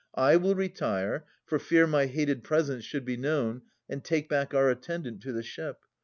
I will retire. For fear my hated presence should be known. And take back our attendant to the ship.